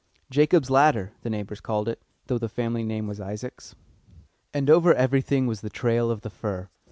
Jacob's ladder the neighbours called it, though the family name was Isaacs. And over everything was the trail of the fur.